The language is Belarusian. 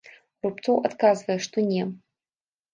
Рубцоў адказвае, што не.